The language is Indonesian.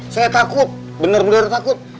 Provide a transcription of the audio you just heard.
saya takut bener bener takut